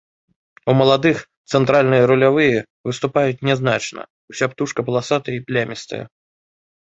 У маладых цэнтральныя рулявыя выступаюць нязначна, уся птушка паласатая і плямістая.